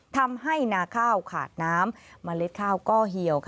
ทำให้นาข้าวขาดน้ำเมล็ดข้าวก็เหี่ยว